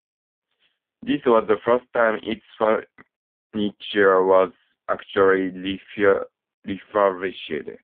This was the first time its furniture was actually refurbished.